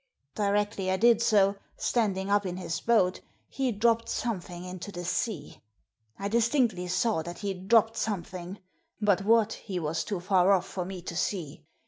Directly I did so, standing up in his boat, he dropped something into the sea. I dis tinctly saw that he dropped something, but what he was too far off for me to see.